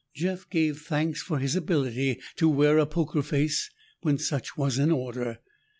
Jeff gave thanks for his ability to wear a poker face when such was in order.